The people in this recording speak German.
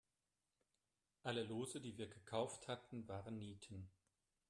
Alle Lose, die wir gekauft hatten, waren Nieten.